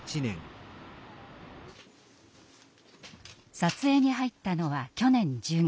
撮影に入ったのは去年１０月。